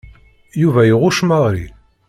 Yuba iɣucc Mary.